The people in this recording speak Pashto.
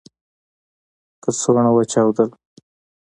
کڅوړه و چاودله .